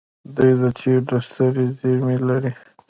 دوی د تیلو سترې زیرمې لري.